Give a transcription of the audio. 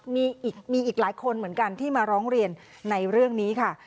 มีอีกหลายคนเหมือนกันที่มาร้องเรียนในเรื่องนี้ค่ะ